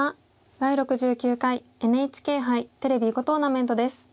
「第６９回ＮＨＫ杯テレビ囲碁トーナメント」です。